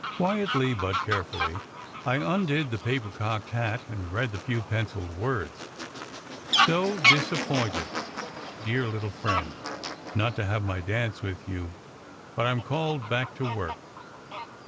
Quietly but carefully I undid the paper cocked hat and read the few pencilled words : "So disappointed, dear little friend, not to have my dance with you, but I m called back to work.